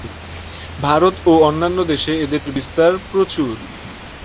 ভারত ও অন্যান্য দেশে এদের বিস্তার প্রচুর।